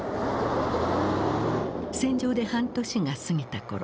戦場で半年が過ぎた頃。